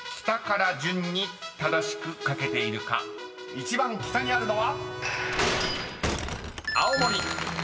［一番北にあるのは］